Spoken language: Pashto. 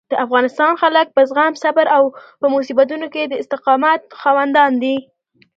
د افغانستان خلک په زغم، صبر او په مصیبتونو کې د استقامت خاوندان دي.